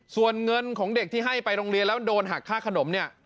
ส่วนเงินของเด็กที่ให้ไปโรงเรียนแล้วโดนหักค่าขนมเนี่ย